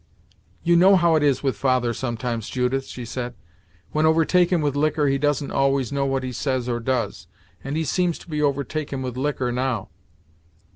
"You know how it is with father sometimes, Judith," she said, "When overtaken with liquor he doesn't always know what he says or does, and he seems to be overtaken with liquor now."